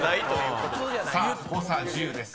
［さあ誤差１０です。